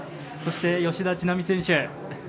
そして、吉田知那美選手。